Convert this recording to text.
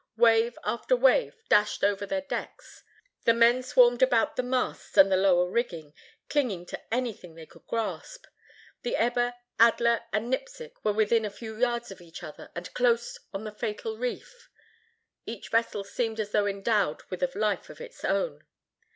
Wave after wave dashed over their decks. The men swarmed about the masts and the lower rigging, clinging to anything they could grasp. The Eber, Adler and Nipsic were within a few yards of each other and close on the fatal reef. Each vessel seemed as though endowed with a life of its own.